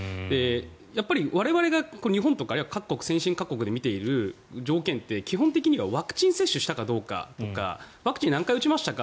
やっぱり我々が日本とか先進各国で見ている条件って基本的にはワクチン接種したかどうかとかワクチンを何回打ちましたか？